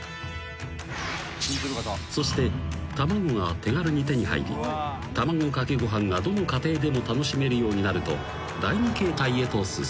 ［そして卵が手軽に手に入り卵かけご飯がどの家庭でも楽しめるようになると第２形態へと進む］